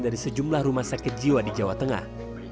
dari sejumlah rumah sakit jiwa di jawa tengah